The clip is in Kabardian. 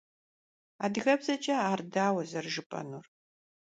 Adıgebzeç'e ar daue zerıjjıp'enur?